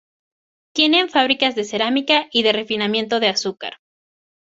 Tiene fábricas de cerámica y de refinamiento de azúcar.